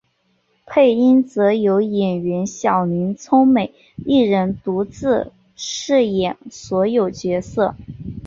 配音则由演员小林聪美一人独自饰演所有角色。